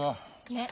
ねっ。